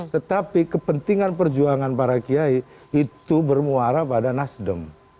tetapi kepentingan perjuangan para kiai itu bermuara pada nasdem